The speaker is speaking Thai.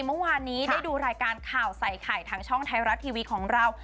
เมื่อวานนี้ได้ดูรายการข่าวใส่ไข่ทางช่องไทยรัฐทีวีของเรา